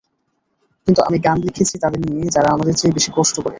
কিন্তু আমি গান লিখেছি তাদের নিয়ে, যারা আমাদের চেয়ে বেশি কষ্ট করে।